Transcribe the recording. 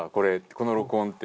この録音って。